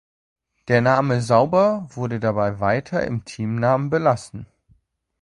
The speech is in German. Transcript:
Der Name „Sauber“ wurde dabei weiter im Teamnamen belassen.